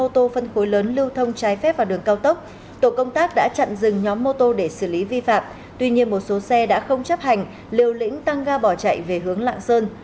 tổ công tác đã chặn dừng nhóm mô tô để xử lý vi phạm tuy nhiên một số xe đã không chấp hành liều lĩnh tăng ga bỏ chạy về hướng lạng sơn